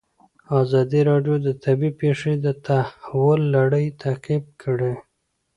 ازادي راډیو د طبیعي پېښې د تحول لړۍ تعقیب کړې.